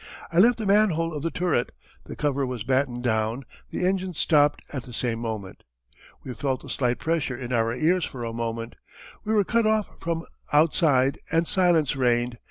I left the manhole of the turret. The cover was battened down, the engines stopped at the same moment. We felt a slight pressure in our ears for a moment. We were cut off from outside and silence reigned.